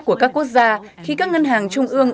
của các quốc gia khi các ngân hàng trung ương